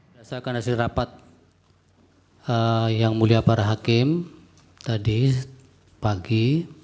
dasarkan hasil rapat yang mulia para hakim tadi pagi